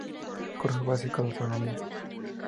Curso básico de astronomía.